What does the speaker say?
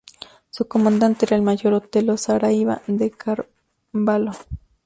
Su comandante era el mayor Otelo Saraiva de Carvalho.